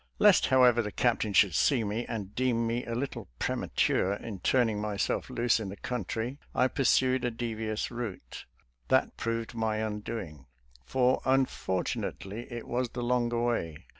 Lest, however, the Captain sltould see me and deem me a little premature in turning myself loose on the country, I pursued a devious route. That proved my undoing, for unfortunately it was the longer way.